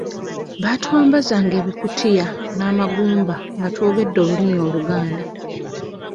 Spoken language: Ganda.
Baatwambazanga ebikutiya n'amagumba nga twogedde olulimi Oluganda.